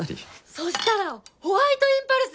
そしたらホワイトインパルス！